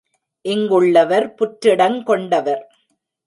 இங்குள்ளவர் புற்றிடங் கொண்டவர்.